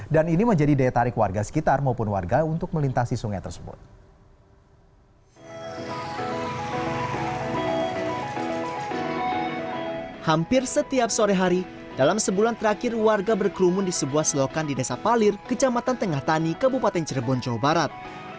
dan ini menjadi daya tarik warga sekitar maupun warga untuk melintasi sungai tersebut